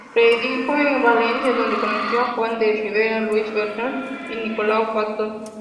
Predicó en Valencia, donde conoció a Juan de Ribera, Lluís Bertran y Nicolau Factor.